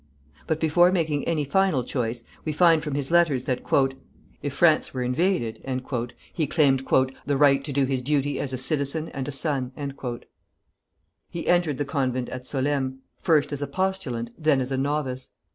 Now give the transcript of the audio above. But before making any final choice, we find from his letters that "if France were invaded," he claimed "the right to do his duty as a citizen and a son." He entered the convent at Solesmes, first as a postulant, then as a novice.